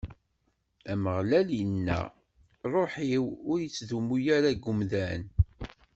Ameɣlal inna: Ṛṛuḥ-iw ur ittdumu ara deg umdan.